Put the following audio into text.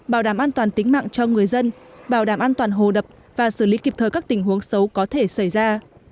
bảo đảm an toàn tính mạng cho người dân bảo đảm an toàn hồ đập và xử lý kịp thời các tình huống xấu có thể xảy ra